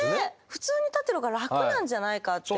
普通に立ってるほうが楽なんじゃないかっていう。